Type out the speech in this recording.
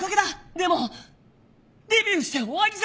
でもデビューして終わりじゃねえ。